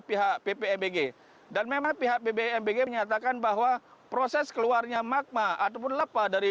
pihak ppmbg dan memang pihak bbmbg menyatakan bahwa proses keluarnya magma ataupun lepas dari